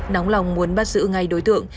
nóng lòng muốn bắt giữ ngay đối tượng